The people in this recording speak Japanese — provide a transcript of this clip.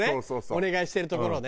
お願いしてるところね。